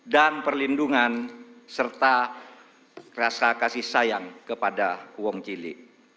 dan perlindungan serta rasa kasih sayang kepada uang cili